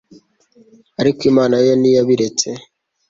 ariko imana yo ntiyabiretse